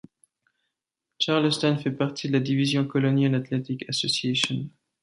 Charleston fait partie de la division Colonial Athletic Association.